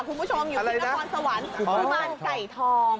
คุณผู้ชมอยู่ที่นครสวรรค์กุมารไก่ทอง